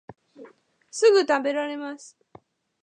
すぐたべられます